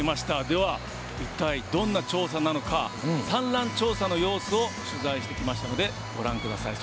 では、一体どんな調査なのか産卵調査の様子を取材してきましたのでご覧ください。